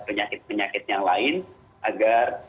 penyakit penyakit yang lain agar